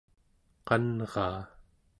qanraa